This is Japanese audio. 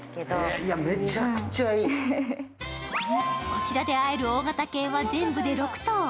こちらで会える大型犬は全部で６頭。